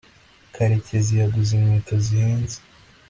karekezi yaguze inkweto zihenze